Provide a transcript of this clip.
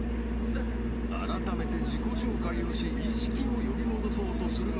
［あらためて自己紹介をし意識を呼び戻そうとするが］